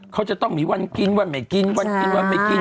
เขาจะต้องมีวันกินวันไม่กินวันกินวันไม่กิน